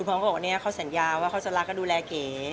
คุณพร้อมก็บอกว่าเนี่ยเขาสัญญาว่าเขาจะรักก็ดูแลเก๋